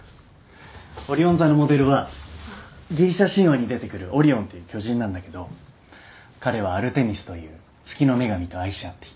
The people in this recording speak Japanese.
オリオン座のモデルはギリシャ神話に出てくるオリオンっていう巨人なんだけど彼はアルテミスという月の女神と愛し合っていた。